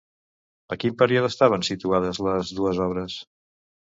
A quin període estaven situades les dues obres?